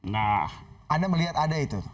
nah anda melihat ada itu